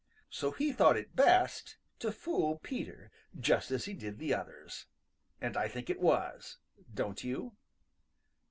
So he thought it best to fool Peter just as he did the others, and I think it was. Don't you?